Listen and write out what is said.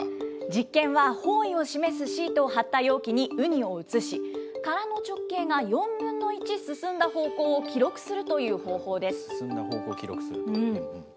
実験は方位を示すシートを張った容器にウニを移し、殻の直径が４分の１進んだ方向を記録するという方法です。